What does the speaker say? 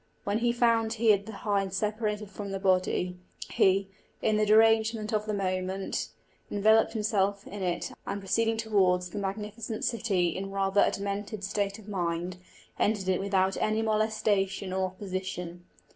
When he found he had the hide separated from the body, he, in the derangement of the moment, enveloped himself in it, and proceeding towards the magnificent city in rather a demented state of mind, entered it without any molestation or opposition.